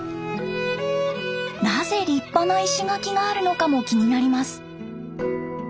なぜ立派な石垣があるのかも気になります。